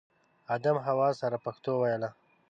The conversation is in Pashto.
ادم حوا سره پښتو ویله